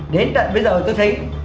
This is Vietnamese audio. đến tận bây giờ tôi thấy